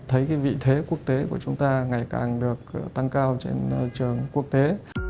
thấy cái vị thế quốc tế của chúng ta ngày càng được tăng cao trên trường quốc tế